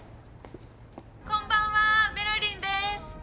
こんばんはメロりんです。